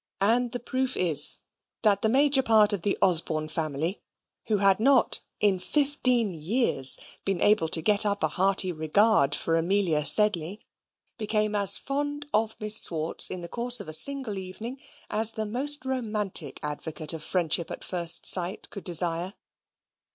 And the proof is, that the major part of the Osborne family, who had not, in fifteen years, been able to get up a hearty regard for Amelia Sedley, became as fond of Miss Swartz in the course of a single evening as the most romantic advocate of friendship at first sight could desire.